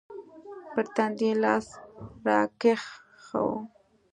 پر تندي يې لاس راکښېښوو.